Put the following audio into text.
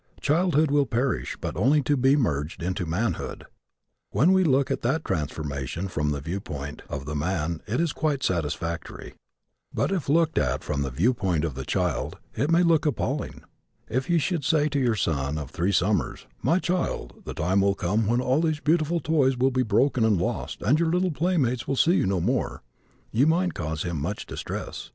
Childhood will perish but only to be merged into manhood. When we look at that transformation from the viewpoint of the man it is quite satisfactory. But if looked at from the viewpoint of the child it may look appalling. If you should say to your son of three summers, "My child, the time will come when all these beautiful toys will be broken and lost and your little playmates will see you no more," you might cause him much distress.